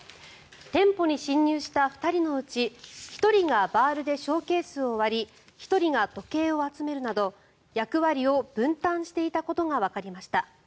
店舗に侵入した２人のうち１人がバールでショーケースを割り１人が時計を集めるなど役割を分担していたことがわかりました。